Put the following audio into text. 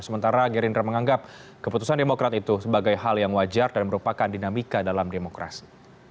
sementara gerindra menganggap keputusan demokrat itu sebagai hal yang wajar dan merupakan dinamika dalam demokrasi